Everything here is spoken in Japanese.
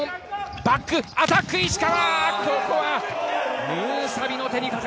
バックアタック、石川。